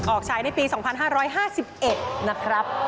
ออกใช้ในปี๒๕๕๑นะครับ